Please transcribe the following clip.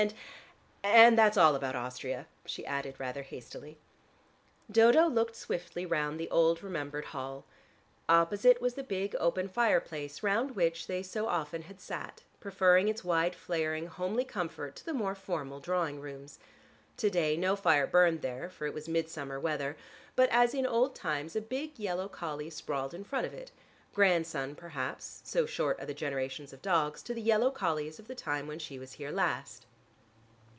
And and that's all about Austria," she added rather hastily. Dodo looked swiftly round the old, remembered hall. Opposite was the big open fireplace round which they so often had sat, preferring its wide flaring homely comfort to the more formal drawing rooms. To day, no fire burned there, for it was midsummer weather; but as in old times a big yellow collie sprawled in front of it, grandson perhaps, so short are the generations of dogs, to the yellow collies of the time when she was here last.